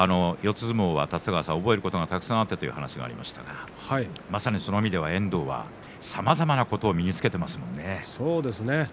相撲は覚えることがたくさんあってという話がありましたがまさに遠藤は、さまざまなことを身につけていますね。